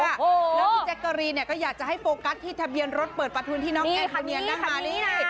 แล้วพี่แจ๊กกะรีนเนี่ยก็อยากจะให้โฟกัสที่ทะเบียนรถเปิดประทุนที่น้องแอนคาเนียนนะคะ